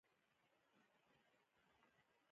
مېرمنې یې زړه بلل کېږي .